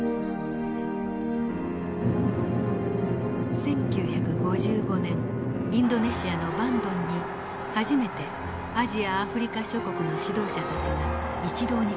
１９５５年インドネシアのバンドンに初めてアジアアフリカ諸国の指導者たちが一堂に会しました。